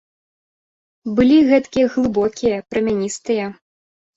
Былі гэткія глыбокія, прамяністыя.